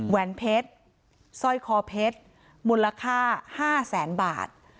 แหวนเพชรสร้อยคอเพชรมูลค่า๕แสนบาท